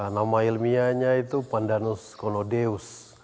nama ilmiahnya itu pandanus kolodeus